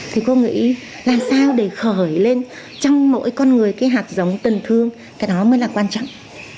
thì cô nghĩ là sao để khởi lên trong mỗi con người cái hạt giống tình thương cái đó mới là quan trọng